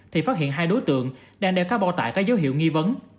thì phát hiện hai đối tượng đang đeo các bao tải có dấu hiệu nghi vấn